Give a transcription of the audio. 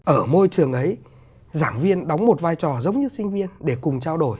ở môi trường ấy giảng viên đóng một vai trò giống như sinh viên để cùng trao đổi